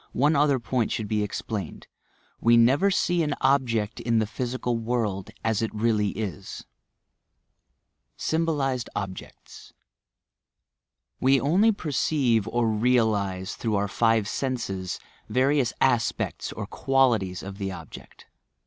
one other point should be explained : We never see &a object in the physical world as it really is ! STMBOLIZED OBJECTS We only perceive or realize, through our five aenses, various aspects or qualities of the object.